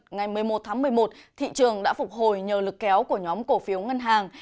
ngày một mươi một tháng một mươi một thị trường đã phục hồi nhờ lực kéo của nhóm cổ phiếu ngân hàng